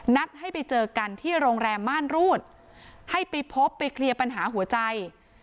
ให้ไปเจอกันที่โรงแรมม่านรูดให้ไปพบไปเคลียร์ปัญหาหัวใจ